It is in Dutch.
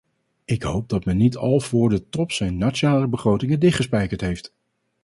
Ik hoop dat men niet al voor de top zijn nationale begrotingen dichtgespijkerd heeft.